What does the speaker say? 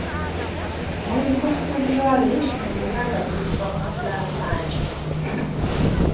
Omwezi gwa February mu luganda guyitibwa Mukutulansanja.